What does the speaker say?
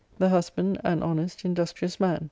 The husband an honest, industrious man.